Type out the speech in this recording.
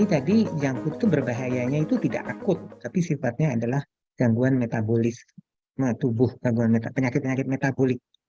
jadi junk food berbahayanya itu tidak akut tapi sifatnya adalah gangguan metabolis penyakit penyakit metabolik